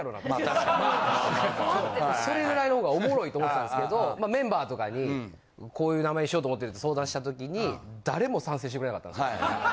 ・まあ確かに・それぐらいの方がおもろいと思ってたんですけどメンバーとかにこういう名前にしようと思ってるって相談したときに誰も賛成してくれなかったんですよ。